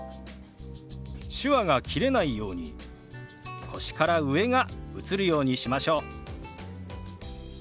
手話が切れないように腰から上が映るようにしましょう。